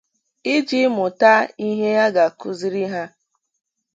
iji mụta ihe a ga-akụziri ha.